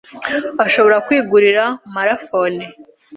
ashobora kwigurira Mara Phones